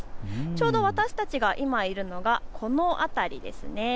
ちょうど私たちが今いるのがこの辺りです。